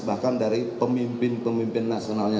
bahkan dari pemimpin pemimpin nasionalnya